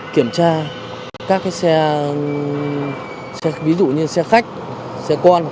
kiểm tra các xe ví dụ như xe khách xe quan